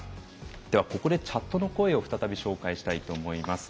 ではここでチャットの声を再び紹介したいと思います。